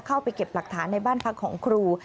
เข้าไปเก็บหลักฐานในบ้านพักของครู